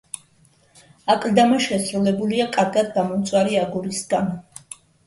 აკლდამა შესრულებულია კარგად გამომწვარი აგურისგან.